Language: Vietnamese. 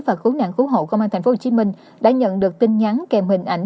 và cứu nạn cứu hộ công an tp hcm đã nhận được tin nhắn kèm hình ảnh